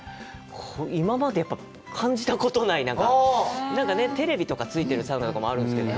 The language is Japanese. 今までやっぱ感じたことない、テレビとかがついてるサウナとかもあるんですけど。